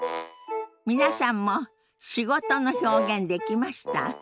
皆さんも「仕事」の表現できました？